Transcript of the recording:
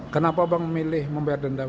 kenapa abang memilih membayar denda bang